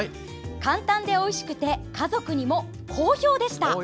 「簡単でおいしくて家族にも好評でした。